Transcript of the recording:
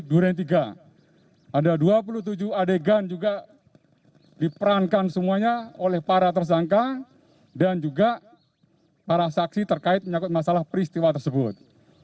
dan yang ketiga ada dua puluh tujuh adegan juga diperankan semuanya oleh para tersangka dan juga para saksi terkait menyangkut masalah peristiwa tersebut